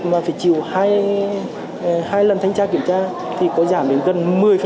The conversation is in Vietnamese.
mà phải chịu hai lần thanh tra kiểm tra thì có giảm đến gần một mươi